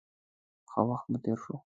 ښه وخت مو تېر شو.